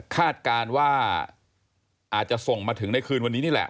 คาดการณ์ว่าอาจจะส่งมาถึงในคืนวันนี้นี่แหละ